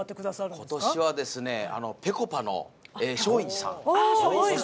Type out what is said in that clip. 今年はぺこぱの松陰寺さん